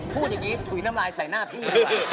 พูดอย่างงี้ถุยน้ำลายใส่หน้าพี่